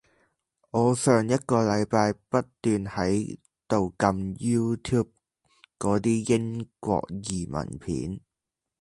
我對上一個禮拜不斷喺度撳 YouTube 嗰啲英國移民片